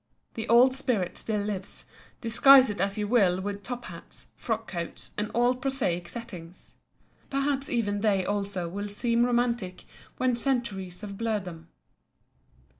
The old spirit still lives, disguise it as you will with top hats, frock coats, and all prosaic settings. Perhaps even they also will seem romantic when centuries have blurred them.